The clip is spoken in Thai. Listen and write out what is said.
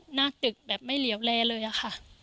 หน้าตึกแบบไม่เหลวแลเลยอะค่ะ